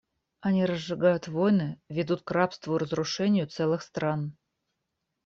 Они разжигают войны, ведут к рабству и разрушению целых стран.